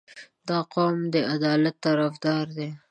• دا قوم د عدالت طرفدار دی.